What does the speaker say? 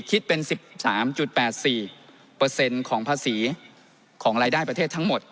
คิดเป็น๑๓๘๔ของภาษีของรายได้ประเทศทั้งหมด